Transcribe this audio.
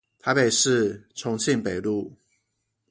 台北市重慶北路